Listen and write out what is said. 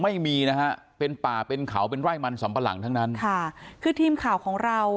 ไม่มีนะฮะเป็นป่าเป็นเขาเป็นไร่มันสำปะหลังทั้งนั้นค่ะคือทีมข่าวของเรา